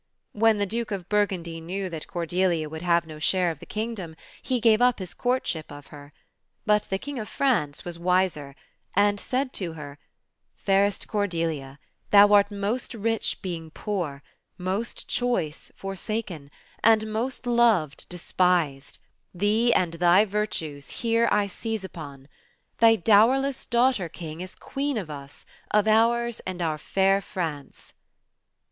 When the Duke of Burgundy knew that Cordelia would have no share of the kingdom, he gave up his courtship of her. But the King of France was wiser, and said to her — "Fairest Cordelia, thou art most rich, being poor — ^most choice, forsaken; and most loved, despised. Thee and thy virtues here I seize upon. Thy dow erless daughter, King, is Queen of us — of ours, and our fair France."